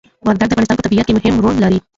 وردګ د افغانستان په طبيعت کي مهم ړول لري